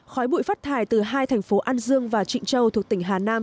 khói bụi phát thải từ hai thành phố an dương và trịnh châu thuộc tỉnh hà nam